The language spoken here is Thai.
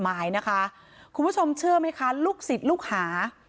หมายนะคะคุณผู้ชมเชื่อไหมคะลูกศิษย์ลูกหา